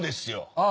ああ。